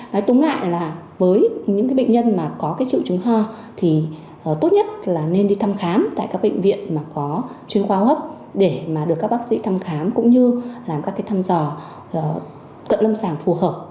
nói túng lại là với những bệnh nhân mà có cái triệu chứng ho thì tốt nhất là nên đi thăm khám tại các bệnh viện mà có chuyên khoa hấp để mà được các bác sĩ thăm khám cũng như làm các cái thăm dò cận lâm sàng phù hợp